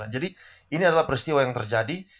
jadi ini adalah peristiwa yang terjadi